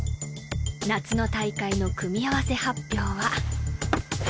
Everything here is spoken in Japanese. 夏の大会の組み合わせ発表は。